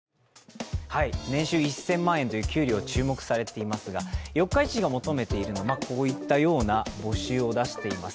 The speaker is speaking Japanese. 年収１０００万円という給料注目されていますが四日市市が求めているのはこういったような募集を出しています。